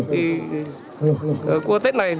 thì cua tết này